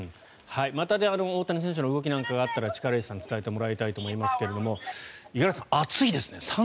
また大谷選手の動きなんかがあったら力石さんに伝えてもらいたいと思いますが五十嵐さん、暑いですね。